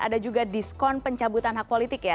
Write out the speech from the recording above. ada juga diskon pencabutan hak politik ya